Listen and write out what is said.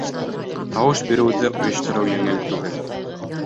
— Тауыш биреүҙе ойоштороу еңел түгел.